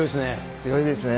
強いですね。